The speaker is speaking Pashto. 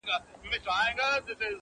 o سیاه پوسي ده، مرگ خو یې زوی دی،